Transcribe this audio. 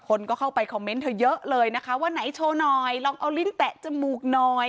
คนก็เข้าไปคอมเมนต์เธอเยอะเลยนะคะว่าไหนโชว์หน่อยลองเอาลิ้นแตะจมูกหน่อย